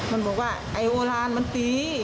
มันบอกว่าไอ้โอลานมันตี